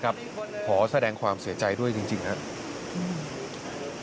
ขอแสดงความเสียใจด้วยจริงครับ